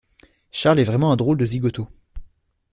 Charles est vraiment un drôle de zigoto.